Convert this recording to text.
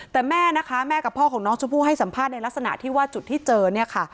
แต่แม่นะคะแม่กับพ่อของน้องชมพู่ให้สัมภาษณ์ในลักษณะที่ว่าจุดที่เจอเนี่ยค่ะ